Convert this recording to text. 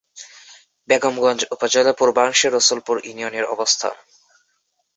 বেগমগঞ্জ উপজেলার পূর্বাংশে রসুলপুর ইউনিয়নের অবস্থান।